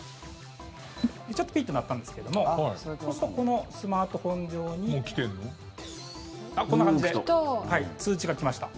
ちょっとピッと鳴ったんですけどそうするとこのスマートフォン上にこんな感じで通知が来ました。